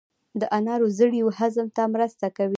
د انارو زړې هضم ته مرسته کوي.